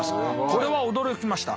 これは驚きました。